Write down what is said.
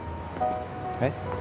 えっ？